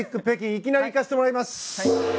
北京いきなりいかせてもらいます。